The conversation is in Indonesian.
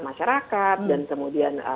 masyarakat dan kemudian